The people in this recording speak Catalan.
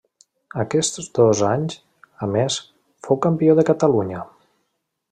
Aquests dos anys, a més, fou Campió de Catalunya.